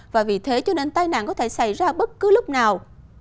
và vì thế cho nên tai nạn có thể xảy ra bất cứ lúc nào